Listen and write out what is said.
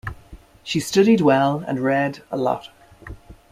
She studied well and read a lot.